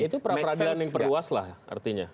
itu prapradana yang perluas lah artinya